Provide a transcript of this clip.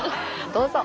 どうぞ。